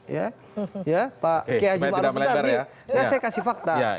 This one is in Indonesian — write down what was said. ya pak kehaji ma'rufi tadi saya kasih fakta